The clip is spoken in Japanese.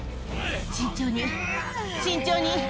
慎重に慎重に。